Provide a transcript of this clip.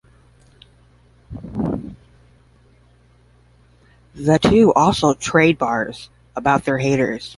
The two also "trade bars" about their haters.